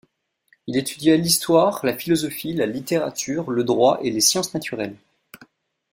Il étudia l'Histoire, la philosophie, la littérature, le droit et les sciences naturelles.